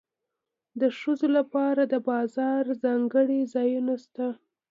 د ښځو لپاره د بازار ځانګړي ځایونه شته